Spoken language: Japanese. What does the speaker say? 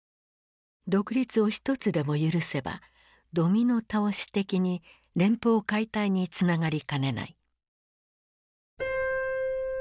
独立を一つでも許せばドミノ倒し的に連邦解体につながりかねない。